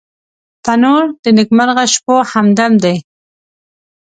تنور د نیکمرغه شپو همدم دی